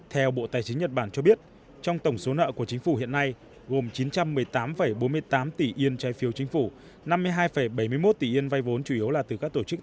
theo bộ tài chính nhật bản cho biết trong tổng số nợ của chính phủ hiện nay gồm chín trăm một mươi tám bốn mươi tám tỷ yen trai phiếu chính phủ năm mươi hai bảy mươi một tỷ yen vay vốn chủ yếu